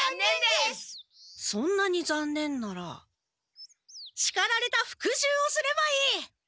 そんなにざんねんならしかられた復習をすればいい！